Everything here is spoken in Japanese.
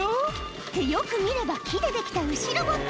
ってよく見れば、木で出来た牛ロボット。